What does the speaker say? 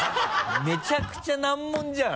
めちゃくちゃ難問じゃん。